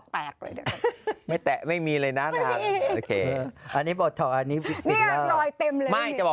พี่เป็นหมาเหรอ